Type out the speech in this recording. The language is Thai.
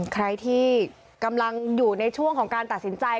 ใครที่กำลังอยู่ในช่วงของการตัดสินใจ